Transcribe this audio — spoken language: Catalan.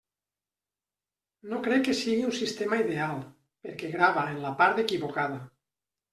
No crec que sigui un sistema ideal, perquè grava en la part equivocada.